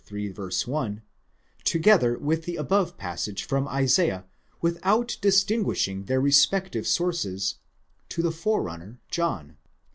1), together with the above passage from Isaiah, with out distinguishing their respective sources, to the forerunner, John.